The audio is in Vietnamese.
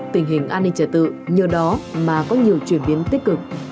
tình hình an ninh trật tự như đó mà có nhiều chuyển biến tích cực